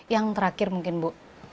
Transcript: yang terakhir mungkin bu